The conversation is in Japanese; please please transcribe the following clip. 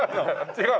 違う？